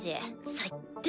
最低。